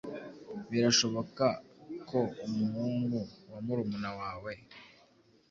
Birashoboka ko umuhungu wa murumunawawe